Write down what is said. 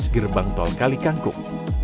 gerbang tol kalikangkum